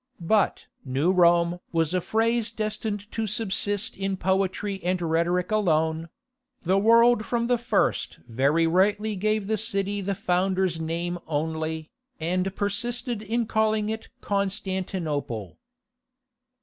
But "New Rome" was a phrase destined to subsist in poetry and rhetoric alone: the world from the first very rightly gave the city the founder's name only, and persisted in calling it Constantinople.